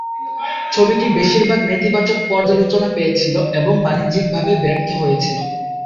ছবিটি বেশিরভাগ নেতিবাচক পর্যালোচনা পেয়েছিল এবং বাণিজ্যিকভাবে ব্যর্থ হয়েছিল।